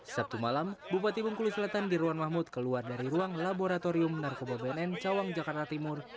sabtu malam bupati bengkulu selatan dirwan mahmud keluar dari ruang laboratorium narkoba bnn cawang jakarta timur